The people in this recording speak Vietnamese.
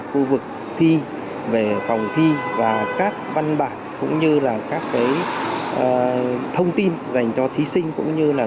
khu vực thi về phòng thi và các văn bản cũng như là các thông tin dành cho thí sinh cũng như là